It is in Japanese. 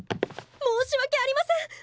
申し訳ありません！